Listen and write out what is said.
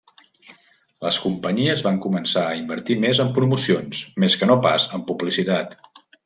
Les companyies van començar a invertir més en promocions més que no pas en publicitat.